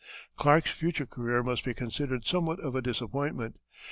Clark's future career must be considered somewhat of a disappointment.